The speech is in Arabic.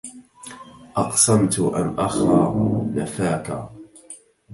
أقسمت أن أخا نفاكا